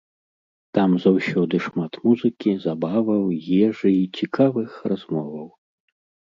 Там заўсёды шмат музыкі, забаваў, ежы і цікавых размоваў.